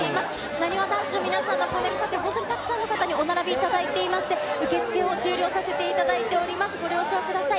なにわ男子の皆さんのパネル撮影、本当にたくさんの方にお並びいただいていまして、受け付けを終了させていただいております、ご了承ください。